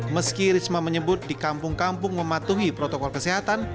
meski risma menyebut di kampung kampung mematuhi protokol kesehatan